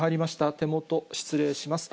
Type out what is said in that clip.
手元、失礼します。